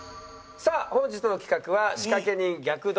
さあ本日の企画は仕掛け人逆ドッキリです。